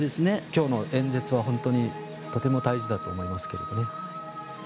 今日の演説はとても大事だと思いますけどね。